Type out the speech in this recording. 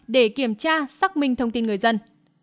để kiểm tra xác minh thông tin người dân